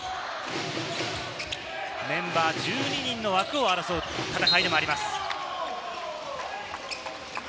メンバー１２人の枠を争う戦いでもあります。